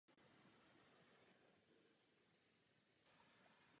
Přes opakovanou snahu od dob italského kolonialismu nebyly dosud nalezeny žádné zdroje ropy.